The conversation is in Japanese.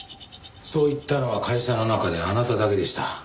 そう言ったのは会社の中であなただけでした。